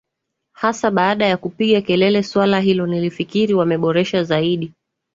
hasa baada ya kupigia kelele swala hilo nifikiri wameboresha zaidi